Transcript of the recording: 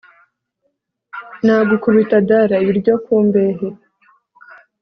Nagukubita Dara-Ibiryo ku mbehe.